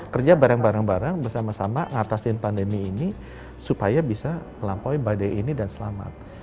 kerja bareng bareng bersama sama ngatasin pandemi ini supaya bisa melampaui badai ini dan selamat